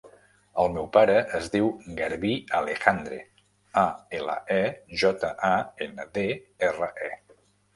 El meu pare es diu Garbí Alejandre: a, ela, e, jota, a, ena, de, erra, e.